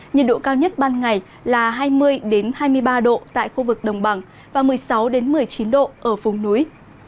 nhiệt độ cao nhất ban ngày là hai mươi hai mươi ba độ tại khu vực đồng bằng và một mươi sáu một mươi chín độ ở vùng núi